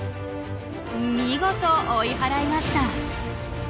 見事追い払いました。